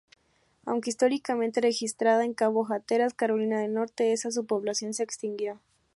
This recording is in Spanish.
Aunque históricamente registrada en cabo Hatteras, Carolina del Norte, esa subpoblación se extinguió.